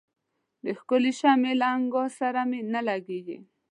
د ښکلي شمعي له انګار سره مي نه لګیږي